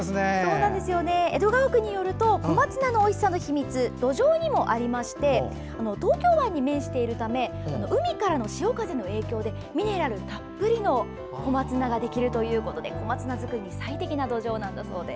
江戸川区によると小松菜のおいしさの秘密は土壌にもありまして東京湾に面しているため海からの潮風の影響でミネラルたっぷりの小松菜ができるということで小松菜作りに最適な土壌なんだそうです。